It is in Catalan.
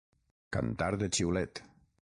Cantar de xiulet.